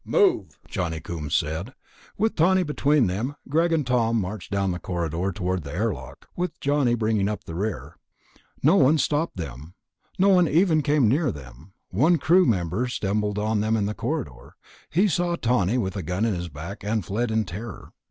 "Move," Johnny Coombs said. With Tawney between them, Greg and Tom marched down the corridor toward the airlock, with Johnny bringing up the rear. No one stopped them. No one even came near them. One crewman stumbled on them in the corridor; he saw Tawney with a gun in his back, and fled in terror.